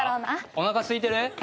おなかすいてる？